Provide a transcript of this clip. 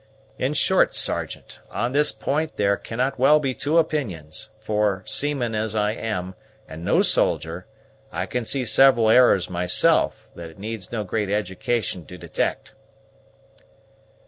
In short, Sergeant, on this point there cannot well be two opinions; for, seaman as I am, and no soldier, I can see several errors myself, that it needs no great education to detect."